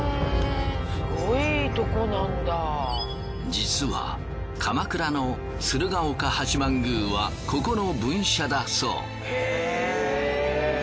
実は鎌倉の鶴岡八幡宮はここの分社だそう。